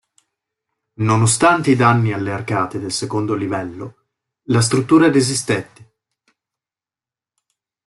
Nonostante i danni alle arcate del secondo livello, la struttura resistette.